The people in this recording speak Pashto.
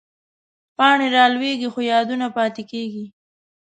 پاڼې رالوېږي، خو یادونه پاتې کېږي